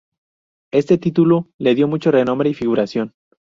Este título le dio mucho renombre y figuración.